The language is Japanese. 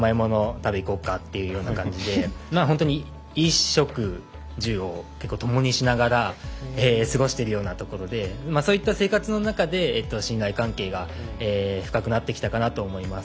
食べに行こうかという感じで衣食住をともにしながら過ごしているようなところでそうした生活の中で信頼関係が深くなってきたかなと思います。